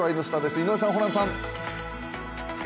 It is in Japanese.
井上さん、ホランさん。